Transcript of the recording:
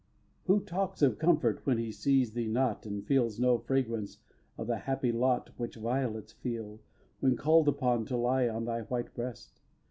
ix. Who talks of comfort when he sees thee not And feels no fragrance of the happy lot Which violets feel, when call'd upon to lie On thy white breast?